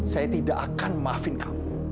saya tidak akan maafin kamu